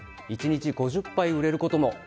１日５０杯売れることも。